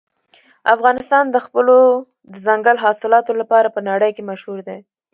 افغانستان د خپلو دځنګل حاصلاتو لپاره په نړۍ کې مشهور دی.